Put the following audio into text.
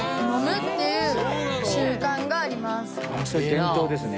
それ伝統ですね。